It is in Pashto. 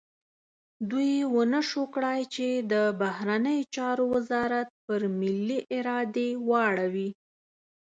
دوی ونه شو کړای چې د بهرنیو چارو وزارت پر ملي ارادې واړوي.